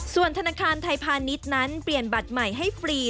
ส่วนธนาคารไทยพาณิชย์นั้นเปลี่ยนบัตรใหม่ให้ฟรี